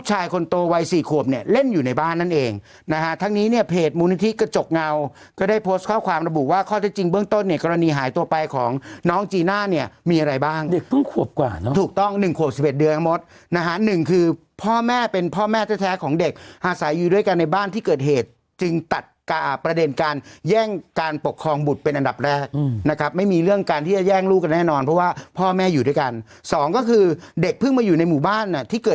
กว่าเนอะถูกต้องหนึ่งขวบสิบเอ็ดเดือนทั้งหมดนะฮะหนึ่งคือพ่อแม่เป็นพ่อแม่แท้แท้ของเด็กอ่าสายอยู่ด้วยกันในบ้านที่เกิดเหตุจึงตัดประเด็นการแย่งการปกครองบุตรเป็นอันดับแรกอืมนะครับไม่มีเรื่องการที่จะแย่งลูกกันแน่นอนเพราะว่าพ่อแม่อยู่ด้วยกันสองก็คือเด็กเพิ่งมาอยู่ในหมู่บ้านน่ะที่